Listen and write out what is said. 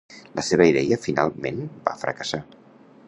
La seva idea finalment va fracassar.